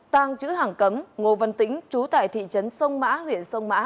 tàng chữ hẳng cấm ngô văn tĩnh trú tại thị trấn sông mã huyện sông mã